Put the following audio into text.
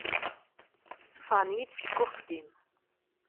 Suffɣen-iyi-d seg uxeddim.